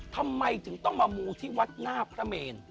ทำไมถึงต้องมามูที่วัดหน้าพระเมน